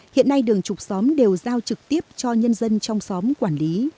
hiện nay đường trục xóm đều giao trực tiếp cho nhân dân trong xóm quản lý